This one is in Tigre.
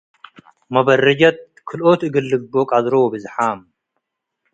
መበርጀት ክልኦት እግል ልግብኦ ቀድሮ ወብዝሓም ።